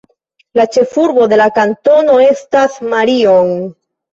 La ĉefurbo de la kantono estas Marion.